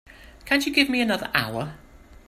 Can't you give me another hour?